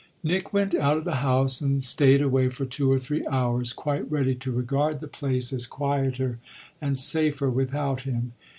Nick went out of the house and stayed away for two or three hours, quite ready to regard the place as quieter and safer without him.